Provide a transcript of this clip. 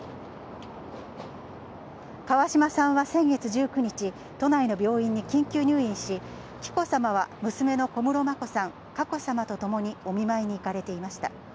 川嶋さんは先月１９日、都内の病院に緊急入院し、紀子さまは娘の小室眞子さん、佳子さまと共にお見舞いに行かれていました。